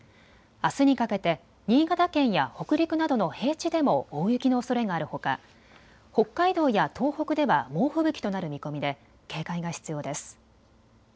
あすにかけて新潟県や北陸などの平地でも大雪のおそれがあるほか北海道や東北では猛吹雪となる見込みで警戒が必要です。